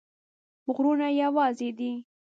غرونه یوازي دي